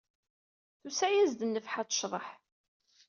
Tusa-yas-d nnefḥa ad tecḍeḥ.